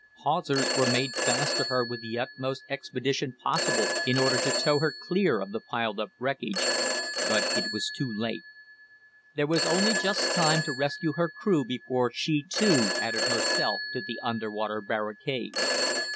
Hawsers were made fast to her with the utmost expedition possible in order to tow her clear of the piled up wreckage, but it was too late. There was only just time to rescue her crew before she too added herself to the underwater barricade.